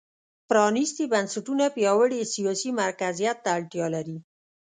پرانېستي بنسټونه پیاوړي سیاسي مرکزیت ته اړتیا لري.